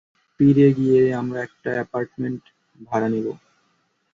পিরে গিয়ে আমরা একটা অ্যাপার্টমেন্ট ভাড়া নেব।